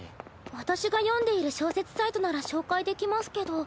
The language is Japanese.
私が読んでいる小説サイトなら紹介できますけど。